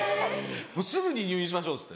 「もうすぐに入院しましょう。